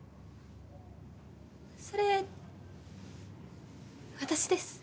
それ私です。